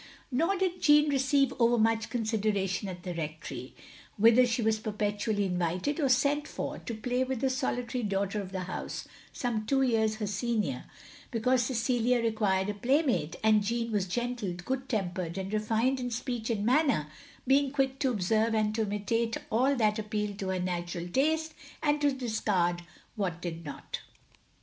Nor did Jeanne receive overmuch consideration at the Rectory, whither she was perpetually invited, or sent for, to play with the solitary daughter of the house, some two years her senior, because Cecilia required a playmate, and Jeanne was gentle, good tempered, and refined in speech and manner, being quick to observe and to imitate all that appealed to her natural taste, and to discard what did not.